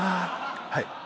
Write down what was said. はい。